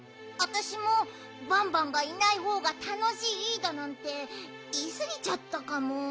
あたしもバンバンがいないほうがたのしいだなんていいすぎちゃったかも。